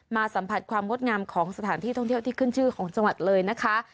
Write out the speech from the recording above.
สัมผัสความงดงามของสถานที่ท่องเที่ยวที่ขึ้นชื่อของจังหวัดเลยนะคะ